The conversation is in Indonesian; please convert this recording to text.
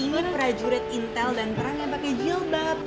iman prajurit intel dan perang yang pake jilbab